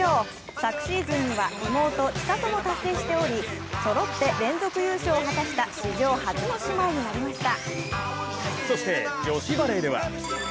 昨シーズンには、妹・千怜も達成しておりそろって、連続優勝を果たした史上初の姉妹になりました。